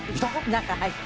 中入った。